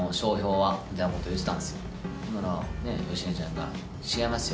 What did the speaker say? ほんなら芳根ちゃんが違いますよ